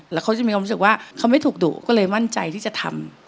แล้วเขาจะมีความรู้สึกว่าเขาไม่ถูกดุก็เลยมั่นใจที่จะทำ